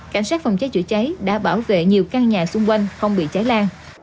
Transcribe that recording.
cảnh sát phòng cháy chữa cháy đã bảo vệ nhiều căn nhà xung quanh không bị cháy lan